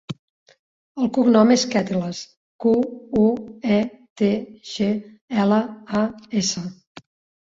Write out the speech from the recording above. El cognom és Quetglas: cu, u, e, te, ge, ela, a, essa.